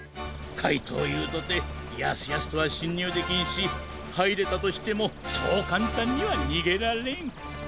かいとうＵとてやすやすとはしんにゅうできんしはいれたとしてもそうかんたんにはにげられん。